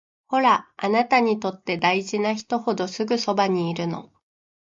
ほら、あなたにとって大事な人ほどすぐそばにいるの